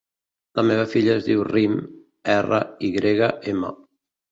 La meva filla es diu Rym: erra, i grega, ema.